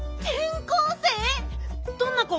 どんな子？